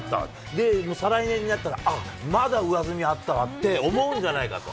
で、再来年になったら、あっ、まだ上澄みあったわって、思うんじゃないかと。